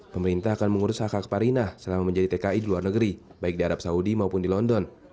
pemerintah akan mengurus hak hak parinah selama menjadi tki di luar negeri baik di arab saudi maupun di london